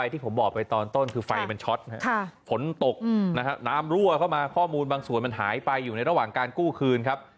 ที่ผมบอกไปตอนต้นคือไฟมันช็อตฝนตกนะฮะน้ำรั่วเข้ามาข้อมูลบางส่วนมันหายไปอยู่ในระหว่างการกู้คืนครับ